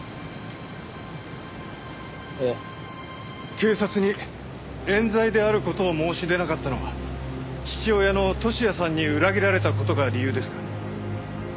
警察に冤罪である事を申し出なかったのは父親の俊哉さんに裏切られた事が理由ですか？